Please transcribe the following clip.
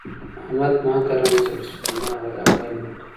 احمد ناحقه رنګ ژړی شو که نه هغه دا کار نه وو کړی.